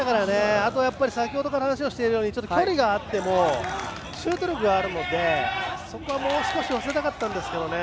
あとは、先ほどから話をしているようにちょっと距離があってもシュート力があるのでそこがもう少しだったんですけど。